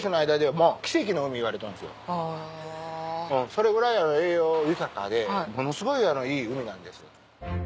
それぐらい栄養豊かでものすごいいい海なんです。